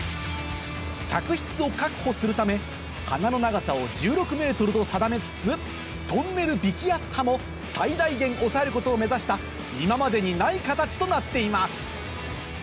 客室を確保するため鼻の長さを１６ｍと定めつつトンネル微気圧波も最大限抑えることを目指した今までにない形となっています